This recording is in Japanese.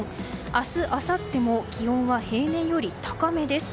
明日、あさっても気温は平年より高めです。